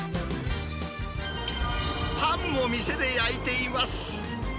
パンも店で焼いています。